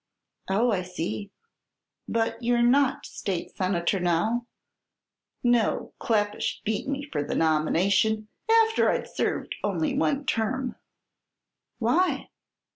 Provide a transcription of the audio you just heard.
"Oh, I see. But you're not state senator now?" "No; Kleppish beat me for the nomination, after I'd served only one term." "Why?"